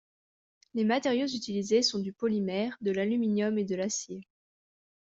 Les matériaux utilisés sont du polymère, de l'aluminium et de l'acier.